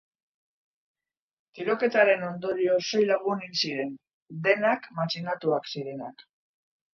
Tiroketaren ondorioz, sei lagun hil ziren, denak matxinatuak zirenak.